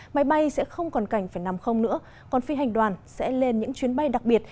máy bay sẽ không còn cảnh phải nằm không nữa còn phi hành đoàn sẽ lên những chuyến bay đặc biệt